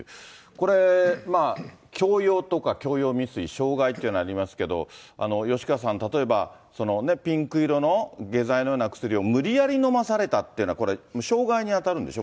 これ強要とか強要未遂、傷害というのはありますけど、吉川さん、例えばピンク色の下剤のような薬を無理やり飲まされたというのは、傷害に当たるんでしょ、